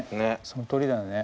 そのとおりだよね。